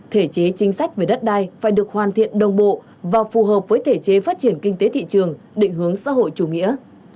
thể chế chính sách về đất đai phải được hoàn thiện đồng bộ và phù hợp với thể chế phát triển kinh tế thị trường định hướng xã hội chủ nghĩa